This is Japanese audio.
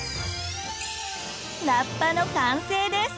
ラッパの完成です。